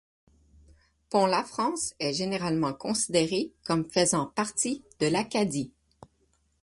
Pont-Lafrance est généralement considéré comme faisant partie de l'Acadie.